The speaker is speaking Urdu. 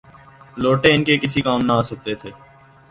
لوٹے ان کے کسی کام نہ آ سکتے تھے۔